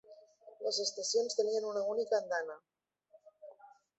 Les estacions tenien una única andana.